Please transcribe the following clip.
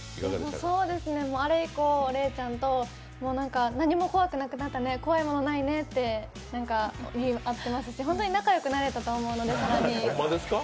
あれ以降、玲ちゃんと、何も怖いものなくなったね怖いものないねって言い合ってますし本当に仲良くなれたと思うので、２人。